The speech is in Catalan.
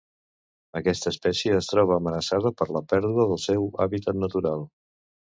Aquesta espècie es troba amenaçada per la pèrdua del seu hàbitat natural.